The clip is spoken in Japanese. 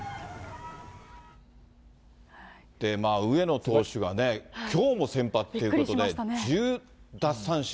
上野投手はね、きょうも先発ということで、１０奪三振。